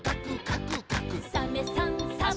「サメさんサバさん」